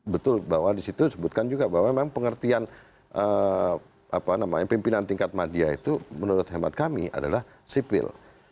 betul bahwa di situ disebutkan juga bahwa memang pengertian pimpinan tingkat madia itu menurut hemat kami adalah sipil